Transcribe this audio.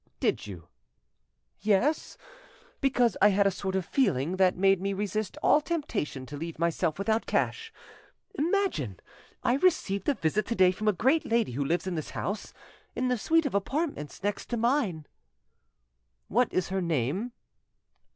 "Did you?" "Yes, because I had a sort of feeling that made me resist all temptation to leave myself without cash. Imagine! I received a visit to day from a great lady who lives in this house—in the suite of apartments next to mine." "What is her name?"